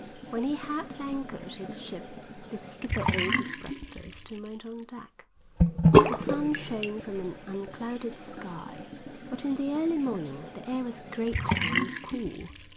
When he had anchored his ship the skipper ate his breakfast and went on deck. The sun shone from an unclouded sky, but in the early morning the air was grateful and cool.